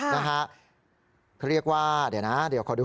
นะฮะเขาเรียกว่าเดี๋ยวนะเดี๋ยวขอดู